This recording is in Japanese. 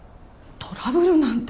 トラブルなんて。